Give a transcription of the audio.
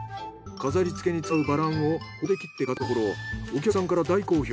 飾り付けに使うバランを包丁で切って飾ったところお客さんから大好評。